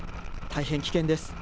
大変危険です。